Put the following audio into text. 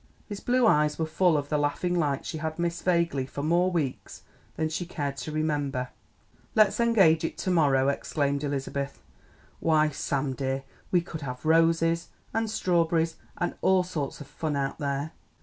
His blue eyes were full of the laughing light she had missed vaguely for more weeks than she cared to remember. "Let's engage it to morrow!" exclaimed Elizabeth. "Why, Sam dear, we could have roses and strawberries and all sorts of fun out there!"